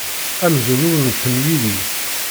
Amzun ur nettemyili.